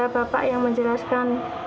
bapak yang menjelaskan